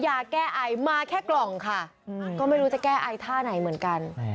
ยาแก้ไอมาแค่กล่องค่ะก็ไม่รู้จะแก้ไอท่าไหนเหมือนกัน